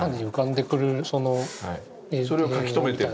それを描き留めてる？